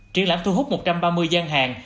triển lãm thu hút một trăm ba mươi gian hàng